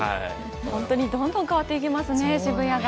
どんどん変わっていきますね、渋谷が。